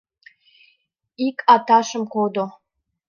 Ик аташым кодо!..